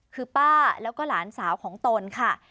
คือป้าแล้วก็หลานสาวของตนค่ะ